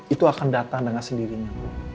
itu akan datang dengan sendirinya